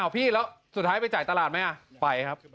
พี่แล้วสุดท้ายไปจ่ายตลาดไหมไปครับ